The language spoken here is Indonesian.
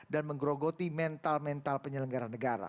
dan menggerogoti mental mental penyelenggaran negara